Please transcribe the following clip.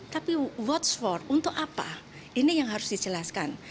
tapi what s for untuk apa ini yang harus dijelaskan